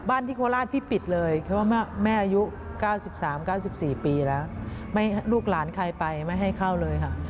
้ายุ๙๓๙๔ปีแล้วลูกหลานใครไปไม่ให้เข้าเลยค่ะ